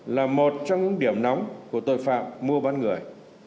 là một trong những điểm nóng của tội phạm mua bán người